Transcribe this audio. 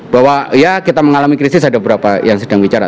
bahwa ya kita mengalami krisis ada beberapa yang sedang bicara